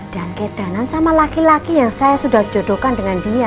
dan kedanan sama laki laki yang saya sudah jodohkan dengan dia